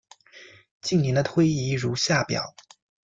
近年的推移如下表。